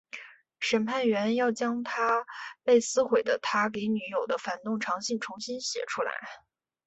审判员要他将被撕毁的他给女友的反动长信重写出来。